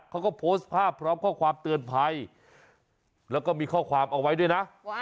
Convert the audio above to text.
เขาก็โพสต์ภาพพร้อมข้อความเตือนภัยแล้วก็มีข้อความเอาไว้ด้วยนะ